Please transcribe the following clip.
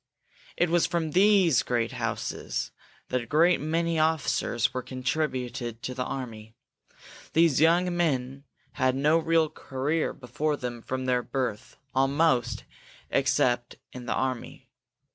It was from these great houses that a great many officers were contributed to the army. These young men had no real career before them from their birth, almost, except in the army.